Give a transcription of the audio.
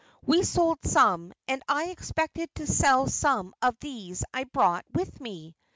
We sold some, and I expected to sell some of these I brought with me.